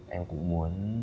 em cũng muốn